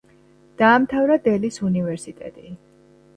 დაამთავრა დელის უნივერსიტეტი.